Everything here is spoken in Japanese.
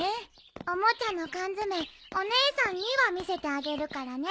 おもちゃのカンヅメお姉さんには見せてあげるからね。